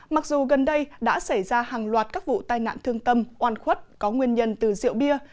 mặc dù gần đây đã xảy ra hàng loạt các vụ tai nạn thương tâm oan khuất có nguyên nhân từ rượu bia